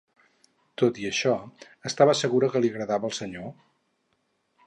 Tot i això, estava segura que li agradava al senyor?